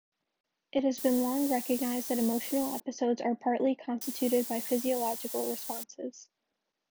It has long been recognized that emotional episodes are partly constituted by physiological responses.